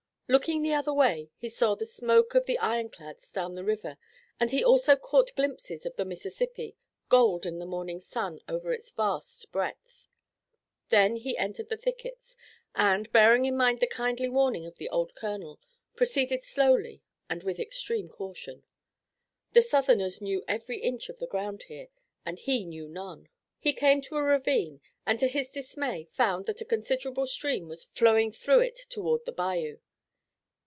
Looking the other way, he saw the smoke of the iron clads down the river, and he also caught glimpses of the Mississippi, gold in the morning sun over its vast breadth. Then he entered the thickets, and, bearing in mind the kindly warning of the old colonel, proceeded slowly and with extreme caution. The Southerners knew every inch of the ground here and he knew none. He came to a ravine and to his dismay found that a considerable stream was flowing through it toward the bayou.